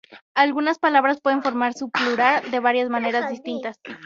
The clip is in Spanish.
Algunas palabras pueden formar su plural de varias maneras distintas.